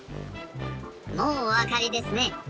もうおわかりですね。